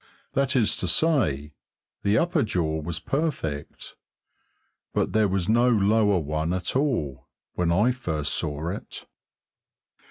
That is to say, the upper jaw was perfect, but there was no lower one at all, when I first saw it.